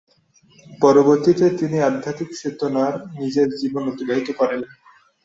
পরবর্তীতে তিনি আধ্যাত্মিক চেতনায় নিজের জীবন অতিবাহিত করেন।